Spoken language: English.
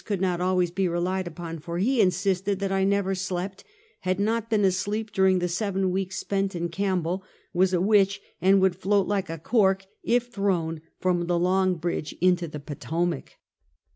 could not always be relied upon, for he insisted that I never slept, had not been asleep during the seven weeks spent in Camp bell, was a witch and would float like a cork, if thrown from the Long Bridge into the Potomac.